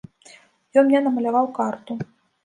Ён мне намаляваў карту.